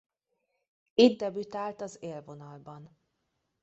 Itt debütált az élvonalban.